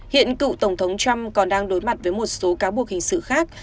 hiện cựu tổng thống trump còn đang đối mặt với một số cáo buộc hình sự khác